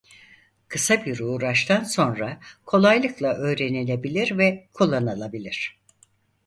Kısa bir uğraştan sonra kolaylıkla öğrenilebilir ve kullanılabilir.